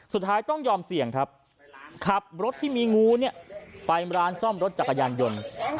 สุดท้ายต้องยอมเสี่ยงครับขับรถที่มีงูเนี่ยไปร้านซ่อมรถจักรยานยนต์